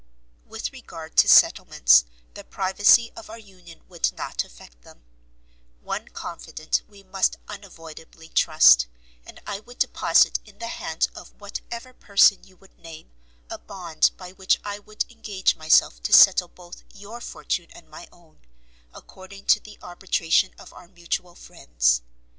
With regard to settlements, the privacy of our union would not affect them; one Confident we must unavoidably trust, and I would deposit in the hands of whatever person you would name, a bond by which I would engage myself to settle both your fortune and my own, according to the arbitration of our mutual friends.